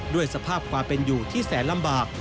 ด้วยความเป็นอยู่ที่แสนลำบาก